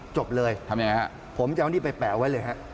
ทำอย่างไงฮะผมจะเอานี่ไปแปะไว้เลย